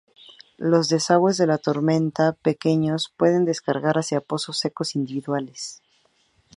Los desagües de tormenta pequeños pueden descargar hacia pozos secos individuales.